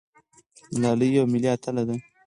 ملالۍ یوه ملي اتله ده.